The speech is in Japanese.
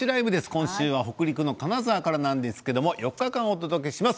今週は北陸と金沢からなんですが４日間お届けします。